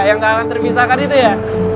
yang gak akan terpisah kan itu ya